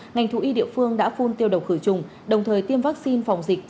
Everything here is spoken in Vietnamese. ngành thú y địa phương đã phun tiêu độc khử trùng đồng thời tiêm vaccine phòng dịch